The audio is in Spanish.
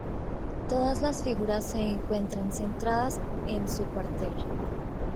Todas las figuras se encuentran centradas en su cuartel.